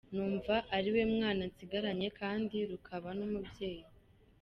Numva ari we mwana nsigaranye, kandi rukaba n’umubyeyi.